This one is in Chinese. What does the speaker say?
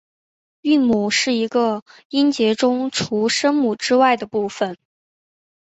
韵母是一个音节中除声母外的部分。